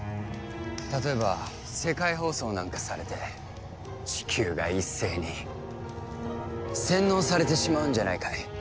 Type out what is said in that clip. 例えば世界放送なんかされてチキューが一斉に洗脳されてしまうんじゃないかい？